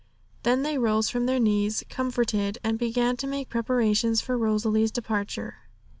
Then they rose from their knees comforted, and began to make preparations for Rosalie's departure.